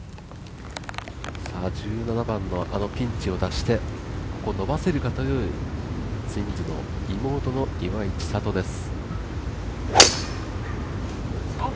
１７番のあのピンチを脱して伸ばせるかというツインズの妹の岩井千怜です。